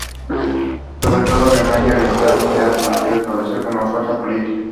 Sobre todo en Alemania Oriental no se ha podido establecer como fuerza política.